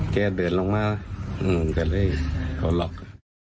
แก่เดินลงมากระเลยระวนหลอก